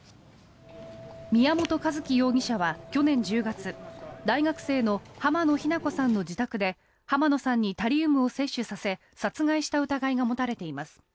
宮本一希容疑者は去年１０月大学生の浜野日菜子さんの自宅で浜野さんにタリウムを摂取させ殺害した疑いが持たれています。